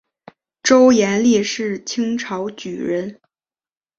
周廷励是清朝举人。